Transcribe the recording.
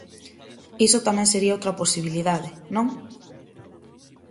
Iso tamén sería outra posibilidade, ¿non?